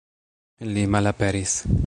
Li malaperis.